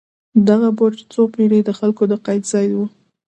دغه برج څو پېړۍ د خلکو د قید ځای و.